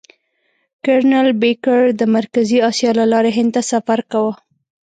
کرنل بېکر د مرکزي اسیا له لارې هند ته سفر کاوه.